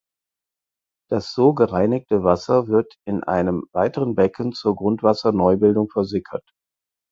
Das so gereinigte Wasser wird in einem weiteren Becken zur Grundwasserneubildung versickert.